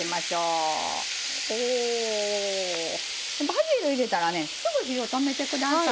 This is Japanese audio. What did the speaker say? バジル入れたらねすぐ火を止めてください。